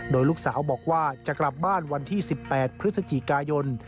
โดยลูกสาวบอกว่าจะกลับบ้านวันที่๑๘พฤศจิกายน